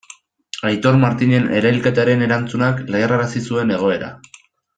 Aitor Martinen erailketaren erantzunak leherrarazi zuen egoera.